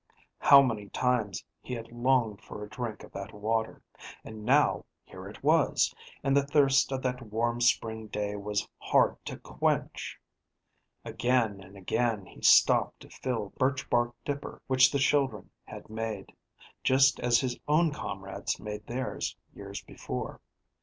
How many times he had longed for a drink of that water, and now here it was, and the thirst of that warm spring day was hard to quench! Again and again he stopped to fill the birchbark dipper which the school children had made, just as his own comrades made theirs years before.